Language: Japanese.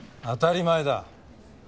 当たり前だ。